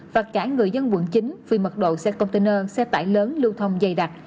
và cả người dân quận chín vì mật độ xe container xe tải lớn lưu thông dày đặc